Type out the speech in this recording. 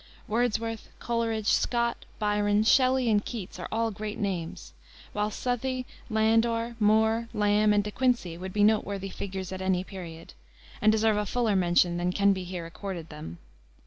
Wordsworth, Coleridge, Scott, Byron, Shelley, and Keats are all great names; while Southey, Landor, Moore, Lamb, and De Quincey would be noteworthy figures at any period, and deserve a fuller mention than can be here accorded them.